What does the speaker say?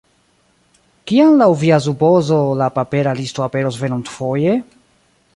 Kiam laŭ via supozo la papera listo aperos venontfoje?